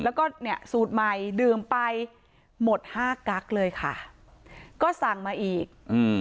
แล้วก็เนี่ยสูตรใหม่ดื่มไปหมดห้ากั๊กเลยค่ะก็สั่งมาอีกอืม